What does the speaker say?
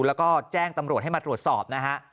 แล้วก็แจ้งตำรวจให้มาตรวจสอบนะฮะ